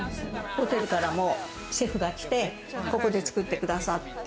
ホテルからシェフが来て、ここで作ってくださって。